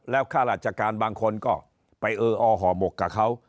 แล้วข้าราชการบางคนก็ไปเอออห่อหมกกับเขา